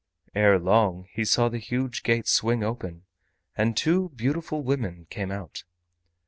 Ere long he saw the huge gate swing open, and two beautiful women came out.